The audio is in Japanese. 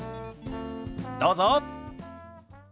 どうぞ。